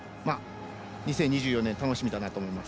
２０２４年が楽しみだなと思います。